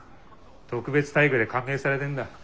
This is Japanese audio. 特別待遇で歓迎されてんだ。